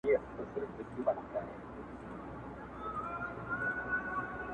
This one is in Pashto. o خونه که مي وسوه، دېوالونه ئې پاخه سوه٫